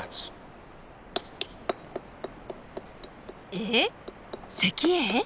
えっ？石英？